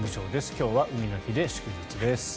今日は海の日で祝日です。